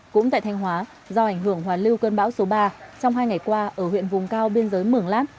cũng tại thanh hóa do ảnh hưởng hoàn lưu cơn bão số ba trong hai ngày qua ở huyện vùng cao biên giới mường lát